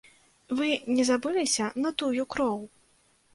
Вы не забыліся на тую кроў?